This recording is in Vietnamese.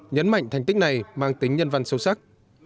nhấn mạnh thành tích này mang tính nhân văn sâu sắc